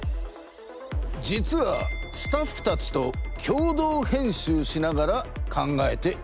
実はスタッフたちと共同編集しながら考えているのだ。